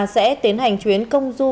sẽ tiến hành chuyến công du